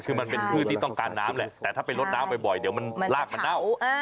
คือมันเป็นพืชที่ต้องการน้ำแหละแต่ถ้าไปลดน้ำบ่อยเดี๋ยวมันลากมันเน่า